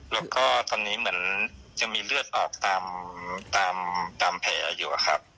แล้วก็ตอนนี้เหมือนยังมีเลือดออกตามแผลอยู่ครับ